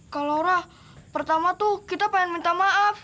kak laura pertama tuh kita pengen minta maaf